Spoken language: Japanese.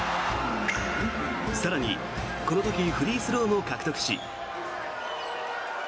更に、この時フリースローも獲得し。